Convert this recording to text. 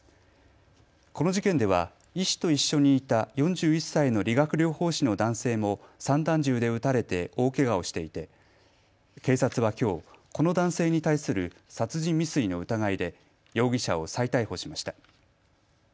この事件では医師と一緒にいた４１歳の理学療法士の男性も散弾銃で撃たれて大けがをしていて警察はきょう、この男性に対する殺人未遂の疑いで容疑者を再逮捕しました。